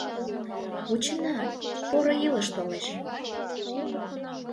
Вучена, поро илыш толеш!